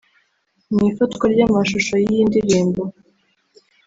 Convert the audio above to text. mu ifatwa ry’amashusho y’iyi ndirimbo